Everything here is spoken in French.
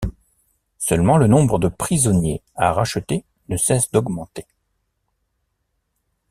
Seulement, le nombre de prisonniers à racheter ne cesse d'augmenter.